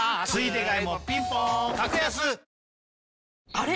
あれ？